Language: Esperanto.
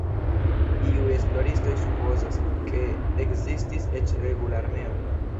Iuj esploristoj supozas, ke ekzistis eĉ regula armeo.